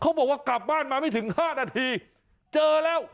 บอกว่ากลับบ้านมาไม่ถึง๕นาทีเจอแล้ว